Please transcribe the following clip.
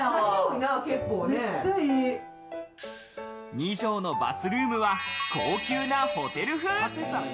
２帖のバスルームは高級なホテル風。